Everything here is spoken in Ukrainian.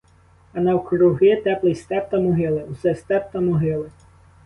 А навкруги теплий степ та могили, усе степ та могили.